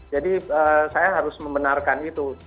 jadi saya harus membenarkan itu